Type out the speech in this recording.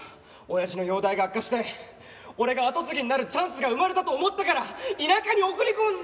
親父の容体が悪化して俺が跡継ぎになるチャンスが生まれたと思ったから田舎に送り込ん。